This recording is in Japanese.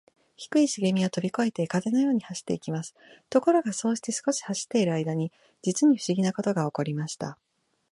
低いしげみはとびこえて、風のように走っていきます。ところが、そうして少し走っているあいだに、じつにふしぎなことがおこりました。